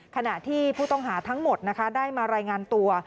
ขณะที่ผู้ต้องหาทั้งหมดนะคะได้มารายงานตัว